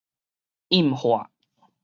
廕化